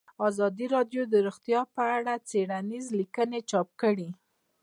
ازادي راډیو د روغتیا په اړه څېړنیزې لیکنې چاپ کړي.